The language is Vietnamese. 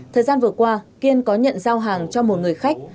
thời gian vừa qua kiên có nhận giao hàng cho một người khách